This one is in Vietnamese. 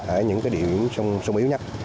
ở những địa điểm sông yếu nhất